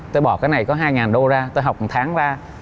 tôi bỏ cái này có hai đô ra tôi học một tháng ra